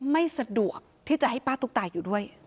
ไม่สะดวกที่จะให้ป้าตุ๊กตาอยู่ด้วย